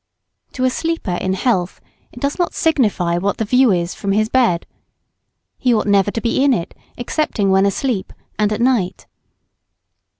To a sleeper in health it does not signify what the view is from his bed. He ought never to be in it excepting when asleep, and at night.